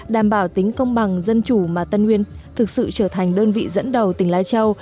đảm bảo tính công bằng dân chủ mà tân nguyên thực sự trở thành đơn vị dẫn đầu tỉnh lai châu